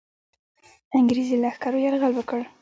انګرېزي لښکرو یرغل وکړ.